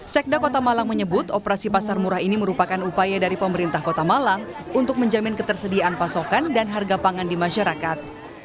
sekda kota malang menyebut operasi pasar murah ini merupakan upaya dari pemerintah kota malang untuk menjamin ketersediaan pasokan dan harga pangan di masyarakat